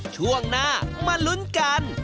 ช่วงหน้ามาลุ้นกัน